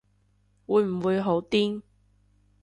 會唔會好癲